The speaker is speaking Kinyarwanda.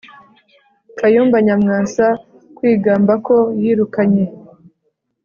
kayumba nyamwasa kwigamba ko yirukanye